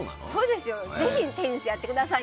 ぜひテニスやってください